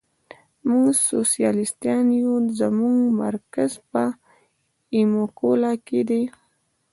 موږ سوسیالیستان یو، زموږ مرکز په ایمولا کې دی.